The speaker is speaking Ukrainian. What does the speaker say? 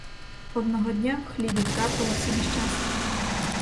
Одного дня в хліві трапилось нещастя.